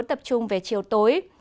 tập trung về chiều tối